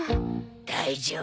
大丈夫。